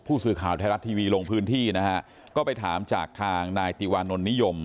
ผู้สื่อข่าวไทยรัฐทีวีลงพื้นที่นะฮะก็ไปถามจากทางนายติวานนท์นิยม